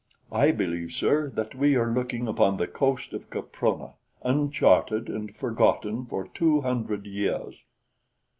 I believe, sir, that we are looking upon the coast of Caprona, uncharted and forgotten for two hundred years."